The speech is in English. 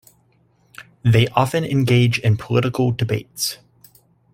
They often engage in political debates.